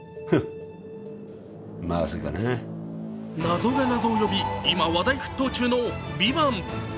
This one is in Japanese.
謎が謎を呼び今、話題沸騰中の「ＶＩＶＡＮＴ」。